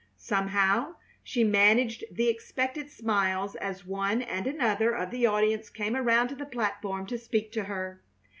Somehow she managed the expected smiles as one and another of the audience came around to the platform to speak to her.